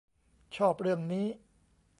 ชอบเรื่องนี้